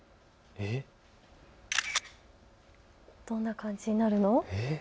どんな感じになるの？